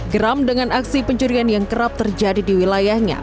geram dengan aksi pencurian yang kerap terjadi di wilayahnya